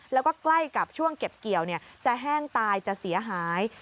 แล้วก็ใกล้กับช่วงเก็บเกี่ยวจะแห้งตายจะเสียหาย